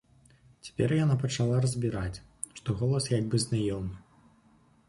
Цяпер яна пачала разбіраць, што голас як бы знаёмы.